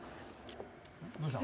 どうしたの？